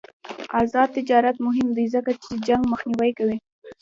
آزاد تجارت مهم دی ځکه چې جنګ مخنیوی کوي.